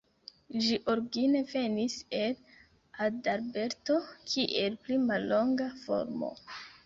Ĝi origine venis el Adalberto, kiel pli mallonga formo.